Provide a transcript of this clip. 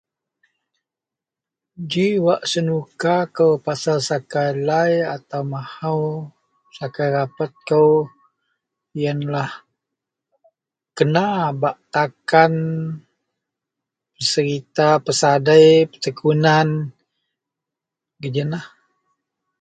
JI wak senukakou pasel sakai lai atau mahou, bsakai rapetkou yenlah kena bak peserita, pesadei, petekunan. Gejiyenlah.